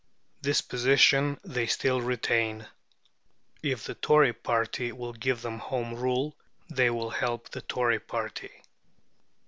This position they still retain. If the Tory party will give them Home Rule, they will help the Tory party.